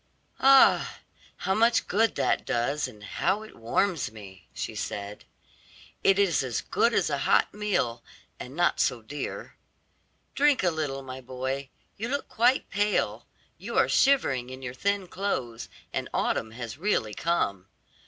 "Ah, how much good that does, and how it warms me," she said; "it is as good as a hot meal, and not so dear. Drink a little, my boy; you look quite pale; you are shivering in your thin clothes, and autumn has really come.